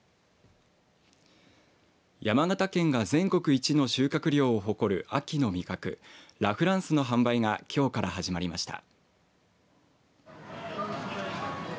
山形県が全国一の収穫量を誇る秋の味覚ラ・フランスの販売がきょうから始まりました。